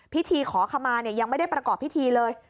พิธีขอขมายังไม่ได้ประกอบพิธีเลย